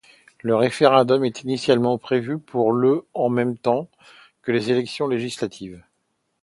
Le référendum est initialement prévu pour le en même temps que les élections législatives.